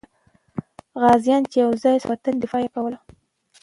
غازیان چې یو ځای سول، د وطن دفاع یې کوله.